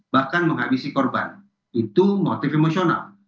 bahkan menghabisi korban itu motif emosional